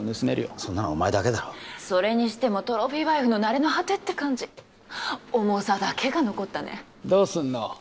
そんなのお前だけだろそれにしてもトロフィーワイフのなれの果てって感じ重さだけが残ったねどうすんの？